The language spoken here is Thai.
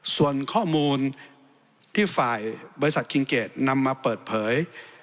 ส่วนข้อมูลที่ฝ่ายบริษัทคิงเกดนำมาเปิดเผย